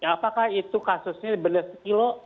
apakah itu kasusnya benar sekilo